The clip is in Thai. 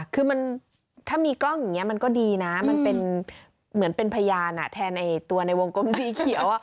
คือมันถ้ามีกล้องอย่างนี้มันก็ดีนะมันเป็นเหมือนเป็นพยานแทนตัวในวงกลมสีเขียว